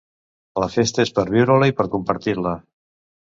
La festa és per viure-la i per compartir-la.